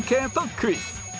クイズ